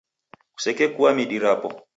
Kusekekua midi rapo.